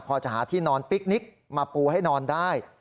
พอจะหาที่นอนปิ๊กนิกมาปูให้นอนได้